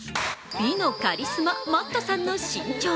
美のカリスマ、Ｍａｔｔさんの身長。